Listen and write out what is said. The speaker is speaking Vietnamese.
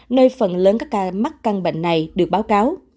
nơi phần lớn các ca mắc căn bệnh này được báo cáo